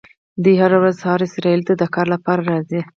دوی هره ورځ سهار اسرائیلو ته د کار لپاره راځي.